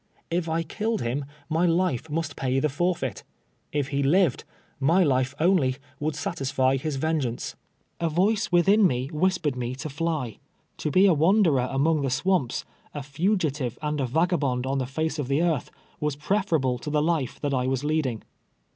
If I killed him, my life must pay the forfeit — if he lived, my life only would satisfy his vengeance. A voice within whispered me to fly. To be a wanderer among the swamps, a fugitive and a vagabond on the face of the earth, was preferable to the life that I was lead ing.